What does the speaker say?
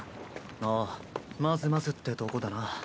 ああまずまずってとこだな。